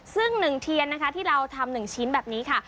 ซึ่ง๑เทียนนะคะที่เราทำ๑ชิ้นแบบนี้ค่ะ